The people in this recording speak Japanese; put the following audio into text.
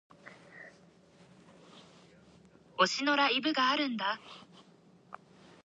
推しのライブがあるんだ